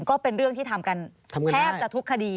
ก็เป็นเรื่องที่ทำกันแทบจะทุกคดี